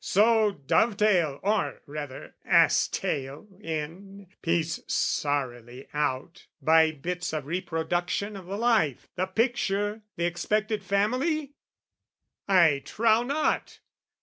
so dove tail Or, rather, ass tail in, piece sorrily out By bits of reproduction of the life The picture, the expected Family? I trow not!